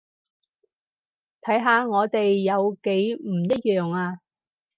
睇下我哋有幾唔一樣呀